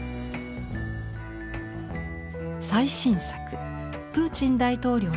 最新作「プーチン大統領の肖像」。